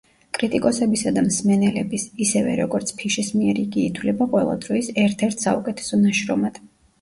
კრიტიკოსებისა და მსმენელების, ისევე, როგორც ფიშის მიერ იგი ითვლება ყველა დროის ერთ-ერთ საუკეთესო ნაშრომად.